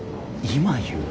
今日言う？